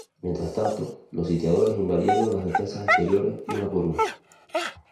Mientras tanto, los sitiadores invadieron las defensas exteriores una por una.